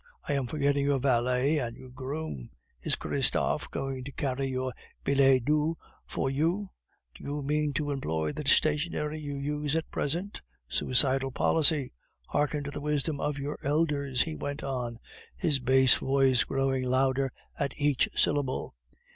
I am forgetting your valet and your groom! Is Christophe going to carry your billets doux for you? Do you mean to employ the stationery you use at present? Suicidal policy! Hearken to the wisdom of your elders!" he went on, his bass voice growing louder at each syllable.